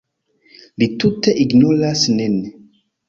Li tute ignoras nin.